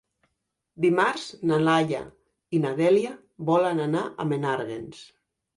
Dimarts na Laia i na Dèlia volen anar a Menàrguens.